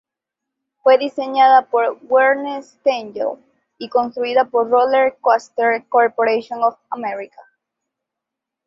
Fue diseñada por Werner Stengel y construida por Roller Coaster Corporation of America.